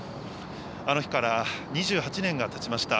あの日から２８年がたちました。